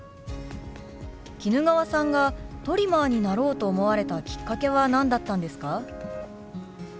衣川さんがトリマーになろうと思われたきっかけは何だったんですか？